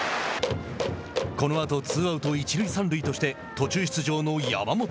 このあと、ツーアウト一塁三塁として途中出場の山本彪